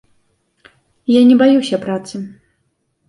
Я не баюся працы.